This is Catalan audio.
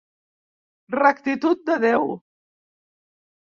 Rectitud de Déu.